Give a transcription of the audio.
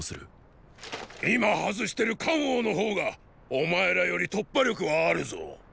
今外してる干央の方がお前らより突破力はあるぞ。